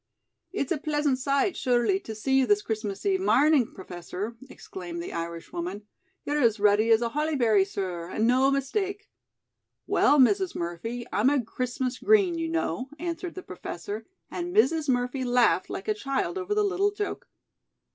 "It's a pleasant sight, surely, to see you this Christmas Eve marnin', Professor," exclaimed the Irish woman. "You're as ruddy as a holly berry, sir, and no mistake." "Well, Mrs. Murphy, I'm a Christmas Green, you know," answered the Professor, and Mrs. Murphy laughed like a child over the little joke.